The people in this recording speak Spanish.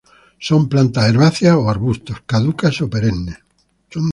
Son plantas herbáceas o arbustos, caducas o perennes.